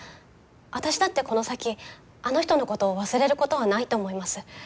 私だってこの先あの人のことを忘れることはないと思います。